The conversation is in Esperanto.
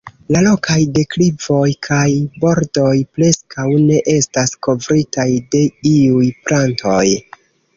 La rokaj deklivoj kaj bordoj preskaŭ ne estas kovritaj de iuj plantoj.